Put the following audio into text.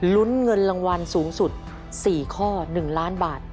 ลุ้นเงินรางวัลสูงสุด๔ข้อ๑ล้านบาท